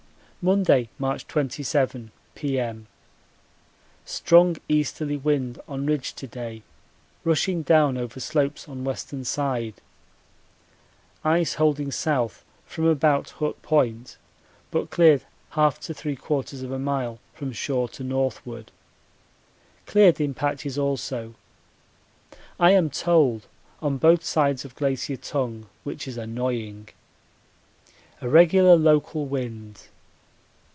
Monday, March 27, P.M. Strong easterly wind on ridge to day rushing down over slopes on western side. Ice holding south from about Hut Point, but cleared 1/2 to 3/4 mile from shore to northward. Cleared in patches also, I am told, on both sides of Glacier Tongue, which is annoying. A regular local wind.